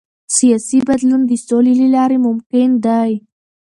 سیاسي بدلون د سولې له لارې ممکن دی